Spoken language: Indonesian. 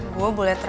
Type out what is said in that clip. gue boleh traktir lo